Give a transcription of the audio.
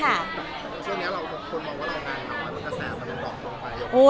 แล้วเราทุกคนมองว่าเรายังไงครับว่าเมื่อกลักษณ์มันต่อตรงไหน